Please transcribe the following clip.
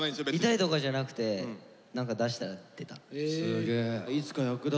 痛いとかじゃなくて何か出したら出た。